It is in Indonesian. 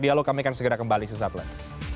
dialog kami akan segera kembali sesaat lagi